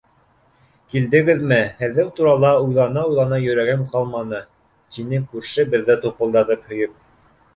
Килдегеҙме? Һеҙҙең турала уйлана-уйлана йөрәгем ҡалманы, — тине күрше беҙҙе тупылдатып һөйөп.